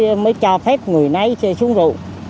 khi đến rượu mới cho phép người này dùng rượu